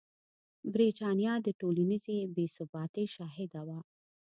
برېټانیا د ټولنیزې بې ثباتۍ شاهده وه.